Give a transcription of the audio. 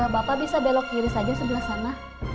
bapak bisa belok kiri saja sebelah sana